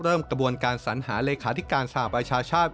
กระบวนการสัญหาเลขาธิการสหประชาชาติ